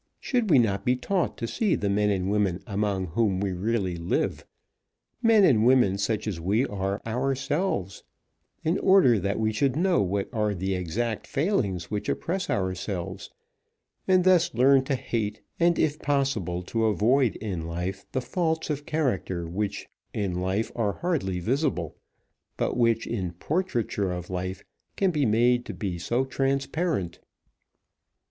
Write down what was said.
Should we not be taught to see the men and women among whom we really live, men and women such as we are ourselves, in order that we should know what are the exact failings which oppress ourselves, and thus learn to hate, and if possible to avoid in life the faults of character which in life are hardly visible, but which in portraiture of life can be made to be so transparent.